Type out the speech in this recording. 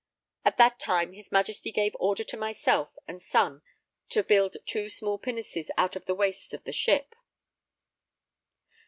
At that time his Majesty gave order to myself and son to build two small pinnaces out of the wastes of the great ship.